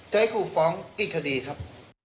จะให้กูฟ้องกี่คดีครับ